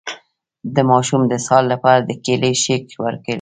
د ماشوم د اسهال لپاره د کیلي شیک ورکړئ